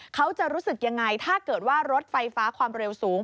เขาจะรู้สึกยังไงถ้าเกิดว่ารถไฟฟ้าความเร็วสูง